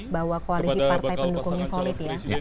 bahwa koalisi partai pendukungnya solid ya